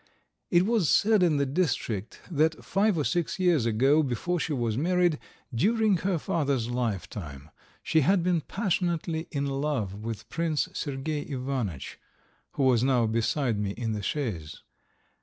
It was said in the district that five or six years ago, before she was married, during her father's lifetime, she had been passionately in love with Prince Sergey Ivanitch, who was now beside me in the chaise.